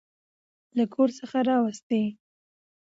له کور څخه راوستې.